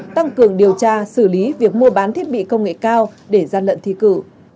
tăng cường điều tra xử lý việc mua bán thiết bị công nghệ cao để gian lận thi cử